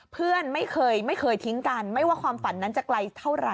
เพื่อนไม่เคยไม่เคยทิ้งกันไม่ว่าความฝันนั้นจะไกลเท่าไหร